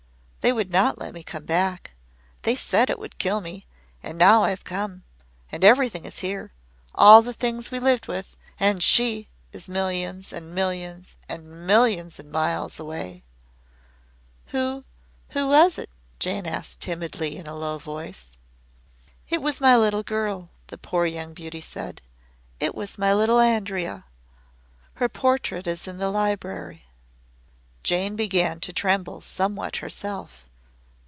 "They would not let me come back. They said it would kill me. And now I have come and everything is here all the things we lived with and SHE is millions and millions and millions of miles away!" "Who who was it?" Jane asked timidly in a low voice. "It was my little girl," the poor young beauty said. "It was my little Andrea. Her portrait is in the library." Jane began to tremble somewhat herself.